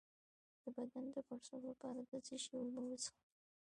د بدن د پړسوب لپاره د څه شي اوبه وڅښم؟